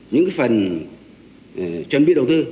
những phần chuẩn bị đầu tư